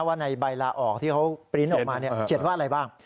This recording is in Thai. ว่าในใบลาออกที่เขาปริ้นต์ออกมาเขียนว่าอะไรบ้าง